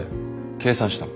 計算したの？